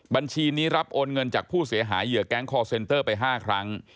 บัญชีนี้รับโอนเงินจากผู้เสียหายเหยื่อแก๊งคอร์เซนเตอร์ไป๕ครั้ง